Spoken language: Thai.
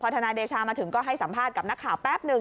ทนายเดชามาถึงก็ให้สัมภาษณ์กับนักข่าวแป๊บหนึ่ง